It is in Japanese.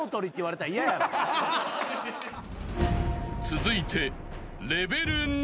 ［続いて］